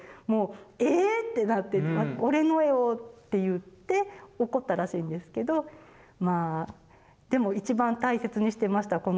もう「え⁉」ってなって「俺の絵を！」って言って怒ったらしいんですけどまあでも一番大切にしてました